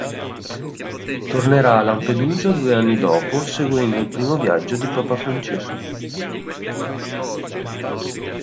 Tornerà a Lampedusa due anni dopo seguendo il primo viaggio di Papa Francesco.